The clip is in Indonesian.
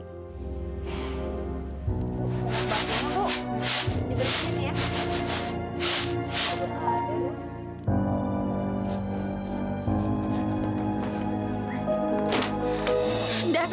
bapak ini bu diberitain ya